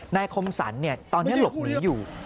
นายคมสันตอนนี้หลบหนีอยู่